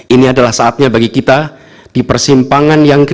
ini adalah saatnya bagi kita di persimpangan yang kritis